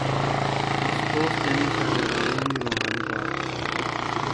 اوستوذ تیݨی شاگردانومی روحانی بابو۔